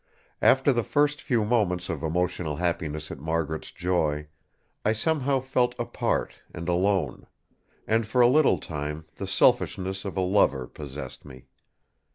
After the first few moments of emotional happiness at Margaret's joy, I somehow felt apart and alone; and for a little time the selfishness of a lover possessed me.